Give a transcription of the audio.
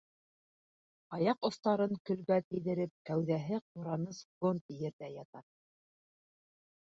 Аяҡ остарын көлгә тейҙереп, кәүҙәһе ҡураныс гонд ерҙә ята.